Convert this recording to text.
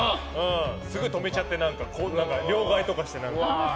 すぐ止めちゃって両替えとかして。